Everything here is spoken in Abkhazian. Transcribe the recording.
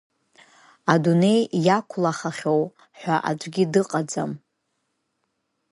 Адунеи иақәлахахьоу ҳәа аӡәгьы дыҟаӡам.